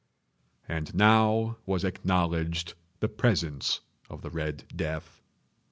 And now was acknowledged the presence of the Red Death.